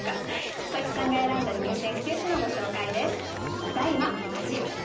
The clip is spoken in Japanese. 佐佐木さんが選んだ入選九首のご紹介です。